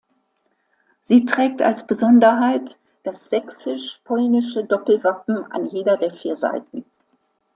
Sie trägt als Besonderheit das sächsisch-polnische Doppelwappen an jeder der vier Seiten.